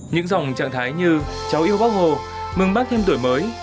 những dòng trạng thái như cháu yêu bắc hồ mừng bác thêm tuổi mới